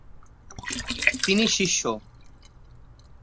তিনি শিষ্য।